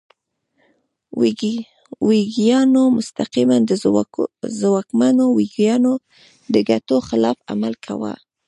ویګیانو مستقیماً د ځواکمنو ویګیانو د ګټو خلاف عمل کاوه.